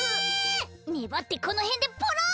ねばってこのへんでポロッ！